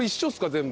全部。